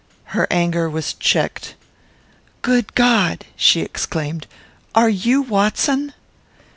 Her anger was checked. "Good God!" she exclaimed, "are you Watson?"